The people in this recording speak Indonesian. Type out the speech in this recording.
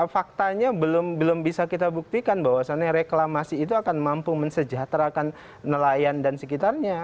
faktanya belum bisa kita buktikan bahwasannya reklamasi itu akan mampu mensejahterakan nelayan dan sekitarnya